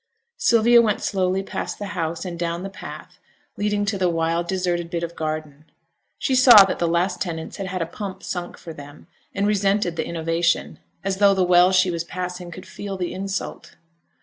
Sylvia went slowly past the house and down the path leading to the wild, deserted bit of garden. She saw that the last tenants had had a pump sunk for them, and resented the innovation, as though the well she was passing could feel the insult.